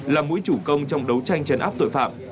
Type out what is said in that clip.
là mũi chủ công trong đấu tranh chấn áp tội phạm